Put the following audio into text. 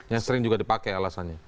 yang sering juga dipakai alasannya